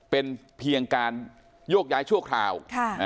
เป็นเพียงการโยกย้ายชั่วคราว